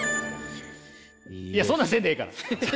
いやそんなんせんでええから！